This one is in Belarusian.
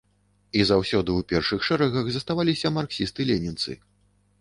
І заўсёды ў першых шэрагах заставаліся марксісты-ленінцы.